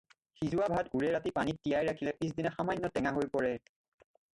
সিজোৱা ভাত ওৰে ৰাতি পানীত তিয়াই ৰাখিলে, পিছদিনা সামান্য টেঙা হৈ পৰে।